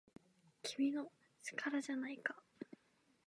「君の！力じゃないか!!」